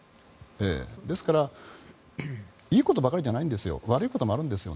ですからいいことばかりじゃないんです悪いこともあるんです。